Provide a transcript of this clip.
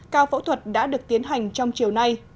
ca phẫu thuật đã được tiến hành trong chiều nay